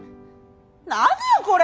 何よこれ！